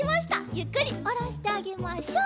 ゆっくりおろしてあげましょう。